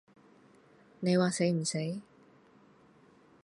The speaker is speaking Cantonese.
你話死唔死？